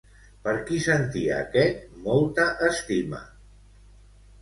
Per qui sentia aquest molta estima?